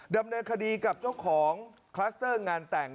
ดำเนินคดีกับเจ้าของคลัสเตอร์งานแต่ง